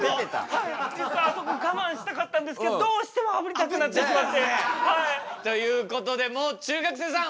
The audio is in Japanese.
実はあそこ我慢したかったんですけどどうしてもあぶりたくなってしまって。ということでもう中学生さん